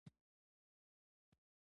لویه وچه د سمندرونو غرونو ترمنځ لویه وچه ده.